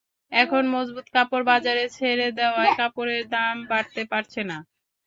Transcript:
এখন মজুত কাপড় বাজারে ছেড়ে দেওয়ায় কাপড়ের দাম বাড়তে পারছে না।